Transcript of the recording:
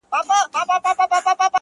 او ستا د خوب مېلمه به،